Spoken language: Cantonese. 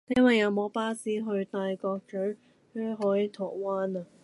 請問有無巴士去大角嘴海桃灣